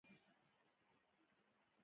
همدا سرې حجرې د ویښتانو د پیازو